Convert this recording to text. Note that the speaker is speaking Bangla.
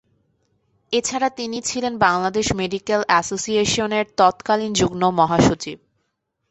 এছাড়া তিনি ছিলেন বাংলাদেশ মেডিকেল এসোসিয়েশনের তৎকালীন যুগ্ম-মহাসচিব।